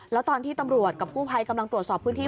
แล้วตอนที่ตำรวจกับกู้ภัยกำลังตรวจสอบพื้นที่